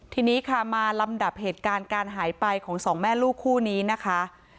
ทีนี้ค่ะมาลำดับเหตุการณ์การหายไปของสองแม่ลูกคู่นี้นะคะ